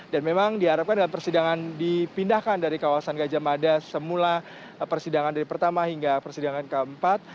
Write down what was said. dan memang diharapkan dengan persidangan dipindahkan dari kawasan gajah mada semula persidangan dari pertama hingga persidangan keempat